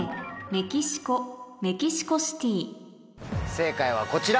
正解はこちら。